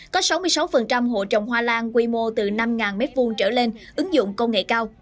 có sáu mươi sáu hộ trồng hoa lan quy mô từ năm m hai trở lên ứng dụng công nghệ cao